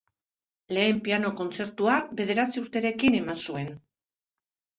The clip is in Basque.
Lehen piano-kontzertua bederatzi urterekin eman zuen.